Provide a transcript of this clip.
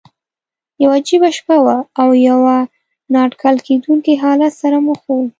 یوه عجیبه شپه وه، له یوه نا اټکل کېدونکي حالت سره مخ ووم.